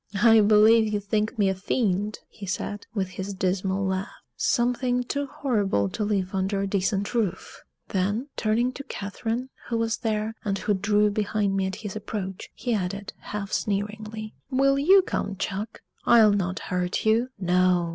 "I believe you think me a fiend!" he said, with his dismal laugh; "something too horrible to live under a decent roof!" Then turning to Catherine, who was there, and who drew behind me at his approach, he added, half sneeringly: "Will you come, chuck? I'll not hurt you. No!